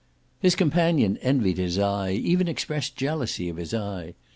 His companion envied his eye, even expressed jealousy of his eye.